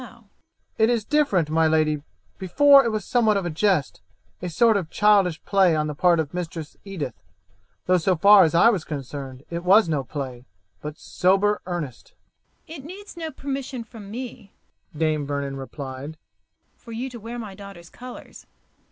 "It is different, my lady; before, it was somewhat of a jest, a sort of childish play on the part of Mistress Edith, though so far as I was concerned it was no play, but sober earnest. "It needs no permission from me," Dame Vernon replied, "for you to wear my daughter's colours.